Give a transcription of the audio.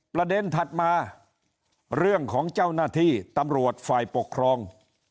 ถัดมาเรื่องของเจ้าหน้าที่ตำรวจฝ่ายปกครอง